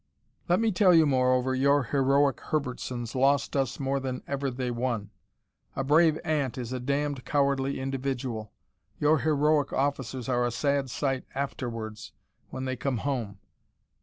"Let me tell you, moreover, your heroic Herbertsons lost us more than ever they won. A brave ant is a damned cowardly individual. Your heroic officers are a sad sight AFTERWARDS, when they come home.